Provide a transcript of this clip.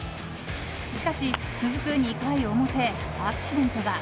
しかし、続く２回表アクシデントが。